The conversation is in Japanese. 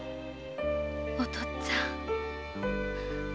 お父っつぁん